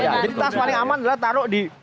jadi tas paling aman adalah taruh di